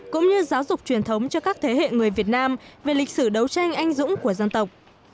cũng như giáo dục truyền thống cho các thế hệ người việt nam về lịch sử đấu tranh anh dũng của dân tộc